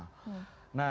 nah di sisi lainnya